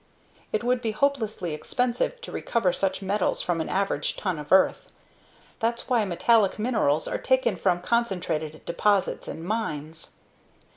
It would be hopelessly expensive to recover such metals from an average ton of earth. That's why metallic minerals are taken from concentrated deposits in mines.